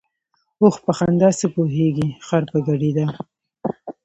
ـ اوښ په خندا څه پوهېږي ، خر په ګډېدا.